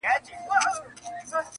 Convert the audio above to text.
• ښه خواږه لکه ګلان داسي ښایسته وه,